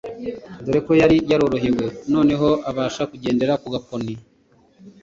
dore ko yari yarorohewe noneho abasha kugendera ku gakoni